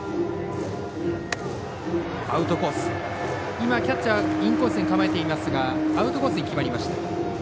今、キャッチャーはインコースに構えていましたがアウトコースに決まりました。